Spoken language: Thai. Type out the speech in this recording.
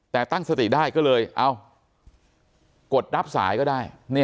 แต่ตั้งสติได้ก็เลยกดรับสายก็ได้